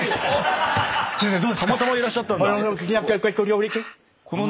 たまたまいらっしゃったんだ。